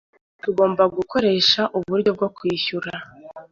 tugomba gukoresha uburyo bwo kwishyurana